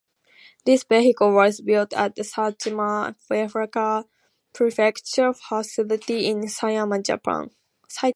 This vehicle was built at the Saitama Prefecture facility in Sayama, Japan.